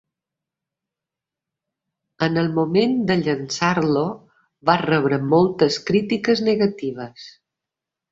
En el moment de llançar-lo va rebre moltes crítiques negatives.